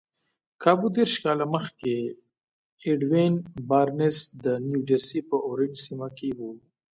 کابو دېرش کاله مخکې ايډوين بارنس د نيوجرسي په اورنج سيمه کې و.